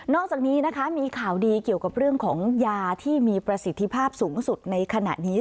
อกจากนี้นะคะมีข่าวดีเกี่ยวกับเรื่องของยาที่มีประสิทธิภาพสูงสุดในขณะนี้